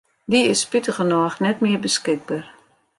Dy is spitigernôch net mear beskikber.